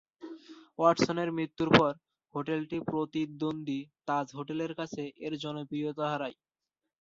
ওয়াটসনের মৃত্যুর পর, হোটেলটি প্রতিদ্বন্দ্বী তাজ হোটেলের কাছে এর জনপ্রিয়তা হারায়।